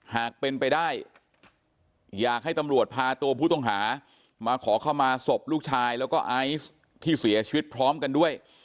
หากเป็นไปได้อยากให้ตำรวจพาตัวผู้ต้องหามาขอเข้ามาศพลูกชายแล้วก็ไอซ์ที่เสียชีวิตพร้อมกันด้วย